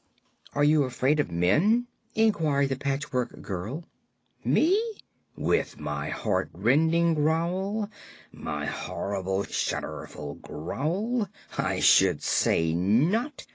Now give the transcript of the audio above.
"Are you afraid of men?" inquired the Patchwork Girl. "Me? With my heart rending growl my horrible, shudderful growl? I should say not.